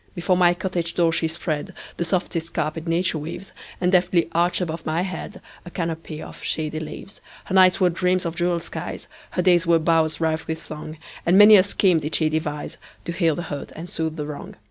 Before my cottage door she spreadThe softest carpet nature weaves, And deftly arched above my headA canopy of shady leaves. Her nights were dreams of jeweled skies, Her days were bowers rife with song, And many a scheme did she deviseTo heal the hurt and soothe the wrong.